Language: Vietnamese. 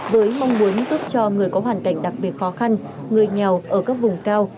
với mong muốn giúp cho người có hoàn cảnh đặc biệt khó khăn người nghèo ở các vùng cao